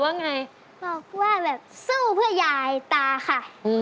ว่าแบบสู้เพื่อยายตาค่ะ